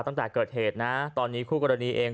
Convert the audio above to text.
ตั้งแต่เกิดเหตุนะตอนนี้คู่กรณีเอง